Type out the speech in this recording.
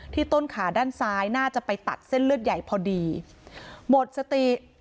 ต้นขาด้านซ้ายน่าจะไปตัดเส้นเลือดใหญ่พอดีหมดสติ